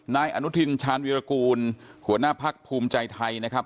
นายอนุทินชาญวิรากูลหัวหน้าพักภูมิใจไทยนะครับ